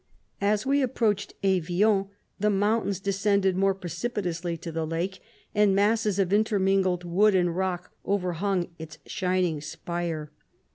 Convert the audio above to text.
As we apprQached Evian, the mountains de scended more precipitously to the lake, and masses of intermingled wood and rock overhung its shining spire.